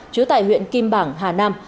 trú tại huyện kim bảng hà nam